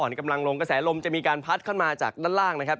กำลังลงกระแสลมจะมีการพัดขึ้นมาจากด้านล่างนะครับ